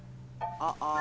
あっああ。